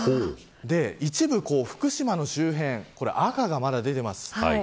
一部福島の周辺赤がまだ出ています。